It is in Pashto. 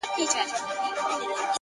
ژمنتیا هدف له خوب څخه واقعیت ته راولي.!